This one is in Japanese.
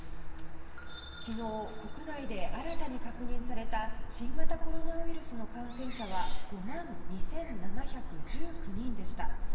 昨日国内で新たに確認された新型コロナウイルスの感染者は５万２７１９人でした。